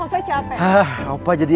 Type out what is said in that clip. opa jadi olahraga di sini ya